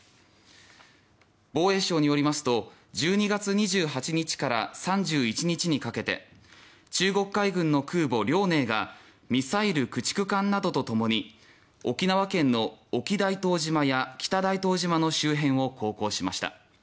防衛省によりますと１２月２８日から３１日にかけて中国海軍の空母「遼寧」がミサイル駆逐艦などとともに沖縄県の沖大東島や北大東島の周辺を航行しました。